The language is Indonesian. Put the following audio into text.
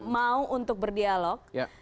mau untuk berdialog